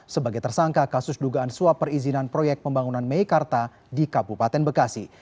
sebagai tersangka kasus dugaan suap perizinan proyek pembangunan meikarta di kabupaten bekasi